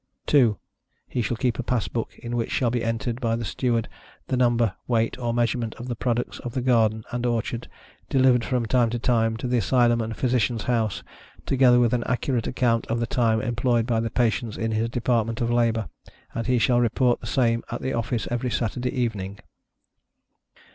2. He shall keep a pass book, in which shall be entered by the Steward, the number, weight or measurement of the products of the garden and orchard, delivered from time to time, to the Asylum and Physicianâ€™s house, together with an accurate account of the time employed by the patients in his department of labor, and he shall report the same at the office every Saturday evening.